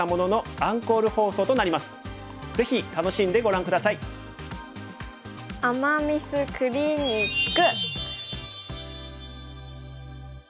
“アマ・ミス”クリニック。